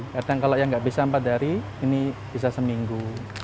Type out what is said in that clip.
kadang kalau yang nggak bisa empat hari ini bisa seminggu